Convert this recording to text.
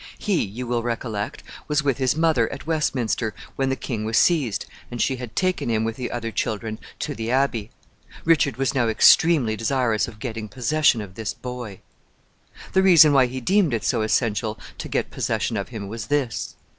He, you will recollect, was with his mother at Westminster when the king was seized, and she had taken him with the other children to the Abbey. Richard was now extremely desirous of getting possession of this boy. The reason why he deemed it so essential to get possession of him was this.